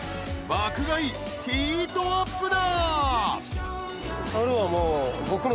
［爆買いヒートアップだ］